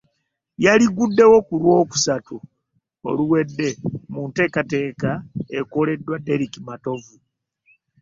Yaligguddewo ku Lwokusatu oluwedde mu nteekateeka ekoleddwa Derrick Matovu.